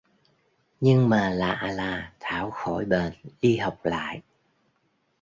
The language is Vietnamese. Nhưng mà lạ là thảo khỏi bệnh đi học lại